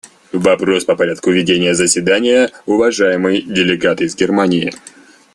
Вопрос по порядку ведения заседания; уважаемый делегат из Германии.